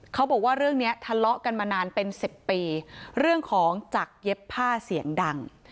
เขาบอกว่าเรื่องนี้ทะเลาะกันมานานเป็น๑๐ปีเรื่องของจักรเย็บผ้าเสียงดัง